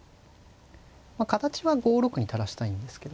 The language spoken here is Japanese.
形は５六に垂らしたいんですけどね。